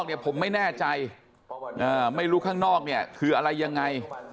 แต่ข้างนอกผมไม่แน่ใจไม่รู้ข้างนอกคืออะไรยังไง